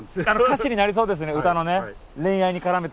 歌詞になりそうですね歌のね。